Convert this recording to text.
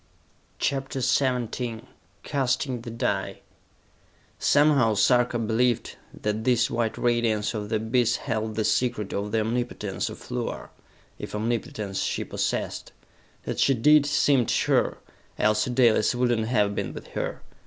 CHAPTER XVII Casting the Die Somehow Sarka believed that this white radiance of the abyss held the secret of the omnipotence of Luar, if omnipotence she possessed. That she did seemed sure, else Dalis would not have been with her.